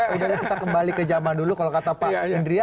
sudah kita kembali ke zaman dulu kalau kata pak hendria